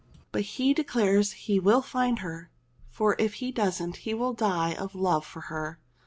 But he declares he will find her ; for if he doesn't he will die of love for her."